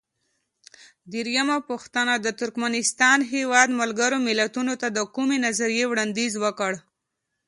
درېمه پوښتنه: د ترکمنستان هیواد ملګرو ملتونو ته د کومې نظریې وړاندیز وکړ؟